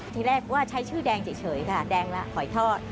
ทีแรกว่าใช้ชื่อแดงเฉยค่ะแดงละหอยทอด